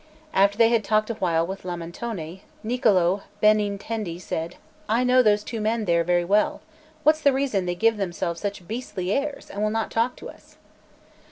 After they had talked a while with Lamentone, Niccolò Benintendi said: "I know those two men there very well; what's the reason they give themselves such beastly airs, and will not talk to us?"